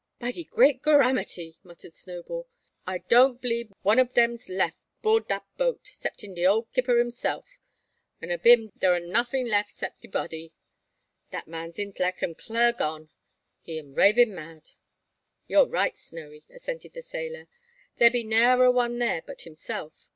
"By de great gorramity!" muttered Snowball, "a doan't b'lieb one ob dem's leff 'board dat boat, 'ceptin de ole 'kipper himseff; an ob him dar am nuffin leff cep'n de body. Dat man's intlek am clar gone. He am ravin' mad!" "You're right, Snowy," assented the sailor; "there be ne'er a one there but himself.